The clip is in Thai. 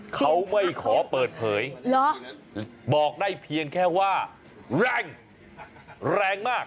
เขาไม่ขอเปิดเผยบอกได้เพียงแค่ว่าแรงแรงมาก